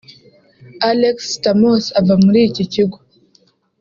Alex Stamos ava muri iki kigo